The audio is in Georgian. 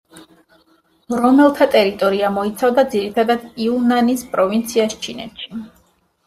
რომელთა ტერიტორია მოიცავდა ძირითადად, იუნანის პროვინციას ჩინეთში.